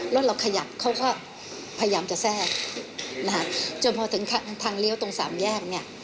รถเราขยับเขาก็พยายามจะแทรกนะคะจนพอถึงทางเลี้ยวตรงสามแยกเนี่ย